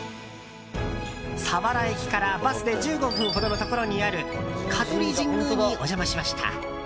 佐原駅からバスで１５分ほどのところにある香取神宮にお邪魔しました。